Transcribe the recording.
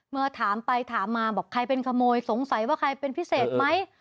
เมื่อถามไปถามมาบอกใครเป็นขโมยสงสัยว่าใครเป็นพิเศษไหม